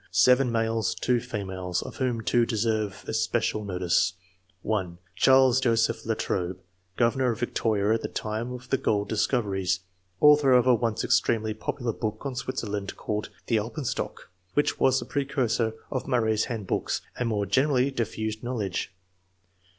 — 7 males, 2 females, of whom 2 deserve especial notice :— (1) Charles Joseph Latrobe, governor of Victoria at the time of the gold discoveries ; author of a once extremely popular book on Switzerland, called the "Alpenstock," which was the precursor of Murray's handbooks and more generally diffused knowledge.